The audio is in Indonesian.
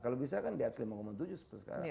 kalau bisa kan diatas lima tujuh